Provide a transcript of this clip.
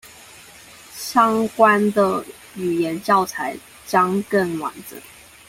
相關的語言教材將更完整